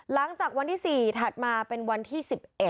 หลังจากวันที่๔ถัดมาเป็นวันที่๑๑